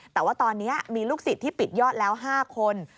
แต่ว่าตอนนี้มีลูกศิษย์ที่ปิดยอดแล้ว๕คน